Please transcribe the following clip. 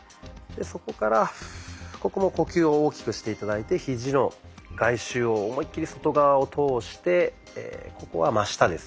そこからここも呼吸を大きくして頂いてひじの外周を思い切り外側を通してここは真下ですね。